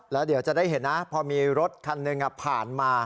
แล้วเดี๋ยวจะได้เห็นนะพอมีรถคันหนึ่งผ่านมา